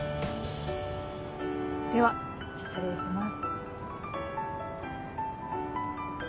では失礼します。